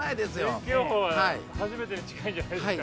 天気予報は初めてに近いんじゃないんですかね。